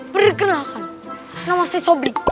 perkenalkan nama saya sobri